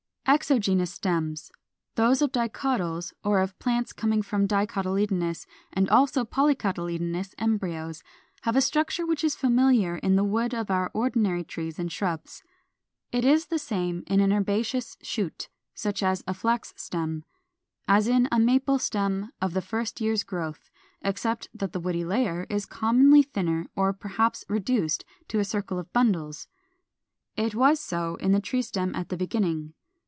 ] 428. =Exogenous Stems=, those of Dicotyls (37), or of plants coming from dicotyledonous and also polycotyledonous embryos, have a structure which is familiar in the wood of our ordinary trees and shrubs. It is the same in an herbaceous shoot (such as a Flax stem, Fig. 474) as in a Maple stem of the first year's growth, except that the woody layer is commonly thinner or perhaps reduced to a circle of bundles. It was so in the tree stem at the beginning.